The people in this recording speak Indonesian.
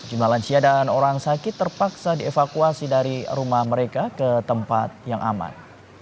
jumlah lansia dan orang sakit terpaksa dievakuasi dari rumah mereka ke tempat yang aman